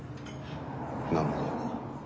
なるほど。